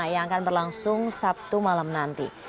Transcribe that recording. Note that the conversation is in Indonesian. yang akan berlangsung sabtu malam nanti